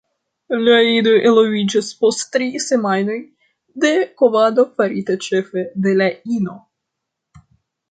La idoj eloviĝas post tri semajnoj de kovado farita ĉefe de la ino.